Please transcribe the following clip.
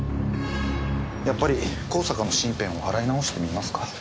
やっぱり香坂の身辺を洗いなおしてみますか？